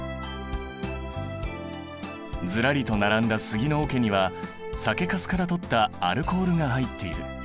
ずらりと並んだ杉の桶には酒かすから取ったアルコールが入っている。